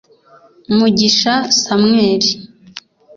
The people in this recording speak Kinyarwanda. Mugisha Samuel